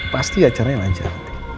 pasti acaranya lancar